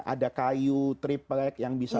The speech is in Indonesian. ada kayu triplek yang bisa